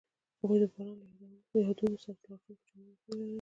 هغوی د باران له یادونو سره راتلونکی جوړولو هیله لرله.